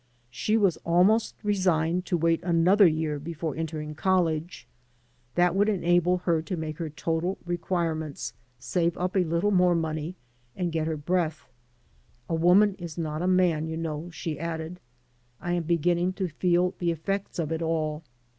She was almost resigned to wait another year before entering college. That would 261 AN AMERICAN IN THE MAKING enable her to make her total requirements, save up a little more money, and get her breath. "A woman is not a man, you know," she added. ^^I am beginning to feel the effects of it all.